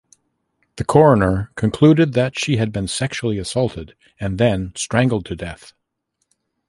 The coroner concluded that she had been sexually assaulted and then strangled to death.